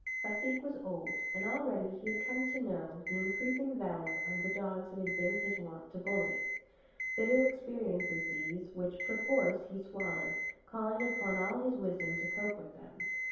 Baseek was old, and already he had come to know the increasing valour of the dogs it had been his wont to bully. Bitter experiences these, which, perforce, he swallowed, calling upon all his wisdom to cope with them.